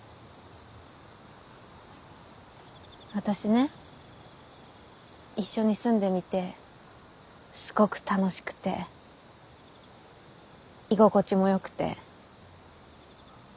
私ね一緒に住んでみてすごく楽しくて居心地もよくて。